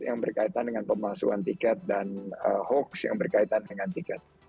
yang berkaitan dengan pemalsuan tiket dan hoax yang berkaitan dengan tiket